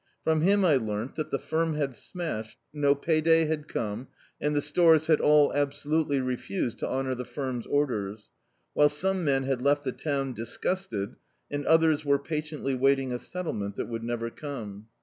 FrcMn him I learnt that the firm had smashed, no pay day had cwne, and the stores had all absolutely refused to honour the firm's orders ; while some men had left the town disgusted, and others were pa tiently waiting a settlement that would never come.